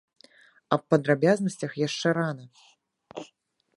Аб падрабязнасцях яшчэ рана.